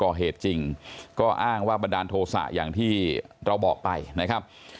ก่อเหตุจริงก็อ้างว่าบันดาลโทษะอย่างที่เราบอกไปนะครับ